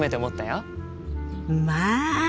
まあ！